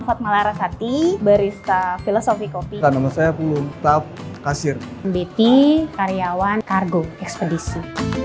fatmalah rasati barista filosofi kopi karena saya belum tak kasir beti karyawan kargo ekspedisi